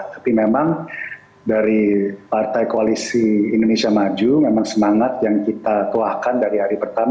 tapi memang dari partai koalisi indonesia maju memang semangat yang kita tuakan dari hari pertama